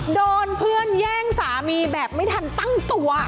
โดนเพื่อนแย่งสามีแบบไม่ทันตั้งตัว